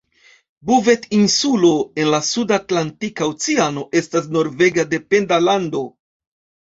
Buvet-Insulo en la suda Atlantika Oceano estas norvega dependa lando.